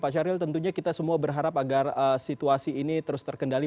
pak syahril tentunya kita semua berharap agar situasi ini terus terkendali